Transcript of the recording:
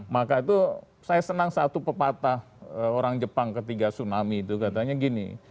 maka itu saya senang satu pepatah orang jepang ketiga tsunami itu katanya gini